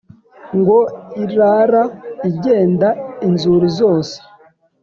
ngo irara igenda inzuri zose